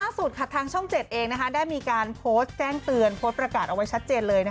สุดทางช่อง๗เองได้มีการโพสต์แจ้งเตือนโพสต์ประกาศเอาไว้ชัดเจนเลย